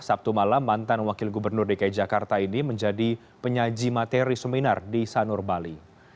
sabtu malam mantan wakil gubernur dki jakarta ini menjadi penyaji materi seminar di sanur bali